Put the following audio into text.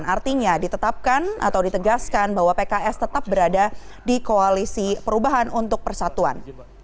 artinya ditetapkan atau ditegaskan bahwa pks tetap berada di koalisi perubahan untuk persatuan